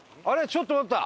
ちょっと待った！